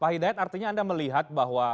pak hidayat artinya anda melihat bahwa